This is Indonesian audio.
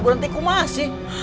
buranti kok masih